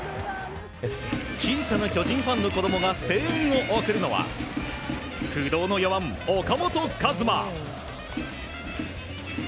小さな巨人ファンの子供が声援を送るのは不動の４番、岡本和真。